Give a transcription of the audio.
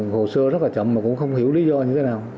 hồ sơ rất là chậm mà cũng không hiểu lý do như thế nào